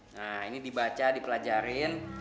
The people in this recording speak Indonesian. nah ini dibaca dipelajarin